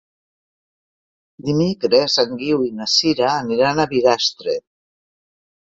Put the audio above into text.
Dimecres en Guiu i na Sira aniran a Bigastre.